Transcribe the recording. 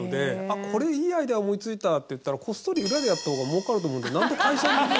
あっこれいいアイデア思いついた！っていったらこっそり裏でやった方がもうかると思うんだけどなんで会社にいる？